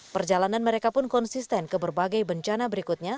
perjalanan mereka pun konsisten ke berbagai bencana berikutnya